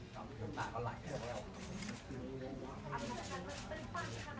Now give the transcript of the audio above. แต่พูดไม่ได้เลยก็หล่อหัวตาก็ไหล